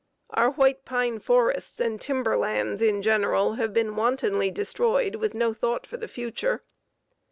Our white pine forests and timber lands in general have been wantonly destroyed with no thought for the future.